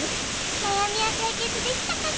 なやみはかいけつできたかな？